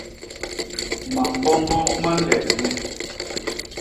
Mamboñgo ma nlet nye.